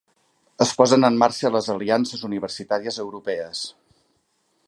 Es posen en marxa les aliances universitàries europees